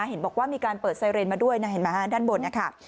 เห็นบอกว่ามีการเปิดไซเรนมาด้วยนะเห็นไหมฮะด้านบนนะคะ